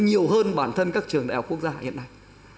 nhiều hơn bản thân các trường đại học quốc gia hiện nay